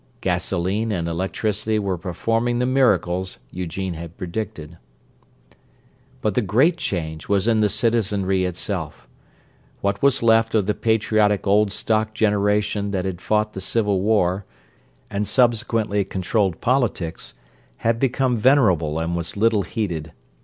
Gasoline and electricity were performing the miracles Eugene had predicted. But the great change was in the citizenry itself. What was left of the patriotic old stock generation that had fought the Civil War, and subsequently controlled politics, had become venerable and was little heeded.